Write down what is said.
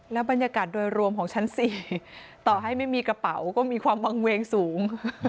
บรรยากาศโดยรวมของชั้น๔ต่อให้ไม่มีกระเป๋าก็มีความวางเวงสูง